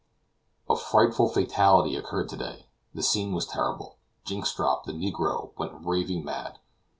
A frightful fatality occurred to day. The scene was terrible. Jynxstrop the negro went raving mad.